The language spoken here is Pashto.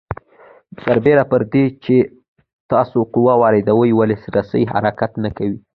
سربېره پر دې چې تاسو قوه واردوئ ولې رسۍ حرکت نه کوي؟